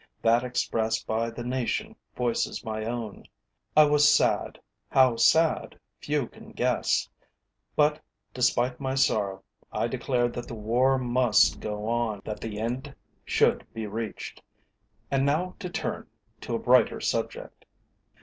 That expressed by the nation voices my own. I was sad, how sad few can guess, but despite my sorrow I declared that the war must go on that the end should be reached. And now to turn to a brighter subject.